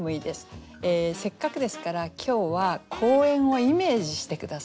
せっかくですから今日は公園をイメージして下さい。